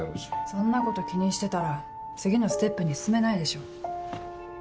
そんなこと気にしてたら次のステップに進めないでしょ。